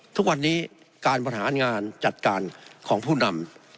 ทุกวันนี้การบริหารงานจัดการของผู้นำ